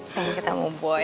pengen ketemu boy